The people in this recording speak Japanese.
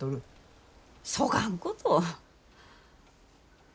そがんこと。